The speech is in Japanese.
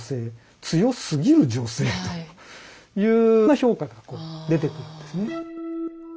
強すぎる女性という評価が出てくるんですね。